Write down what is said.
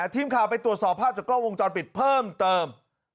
ทีมข่าวไปตรวจสอบภาพจากกล้องวงจรปิดเพิ่มเติม